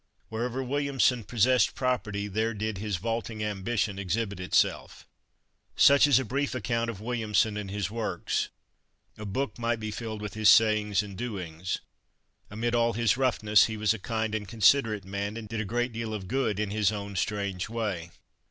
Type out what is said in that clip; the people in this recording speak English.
Wherever Williamson possessed property there did his "vaulting ambition" exhibit itself. Such is a brief account of Williamson and his works. A book might be filled with his sayings and doings. Amid all his roughness he was a kind and considerate man, and did a great deal of good in his own strange way.